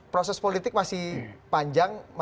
proses politik masih panjang